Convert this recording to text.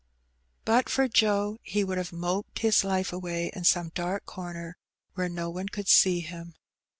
But for Joe he would have moped his life away in some dark comer where no one could see him.